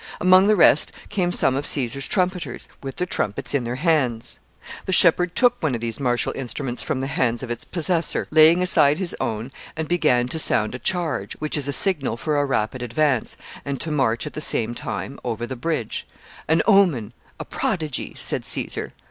Among the rest came some of Caesar's trumpeters, with their trumpets in their hands. The shepherd took one of these martial instruments from the hands of its possessor, laying aside his own, and began to sound a charge which is a signal for a rapid advance and to march at the same time over the bridge "An omen! a prodigy!" said Caesar.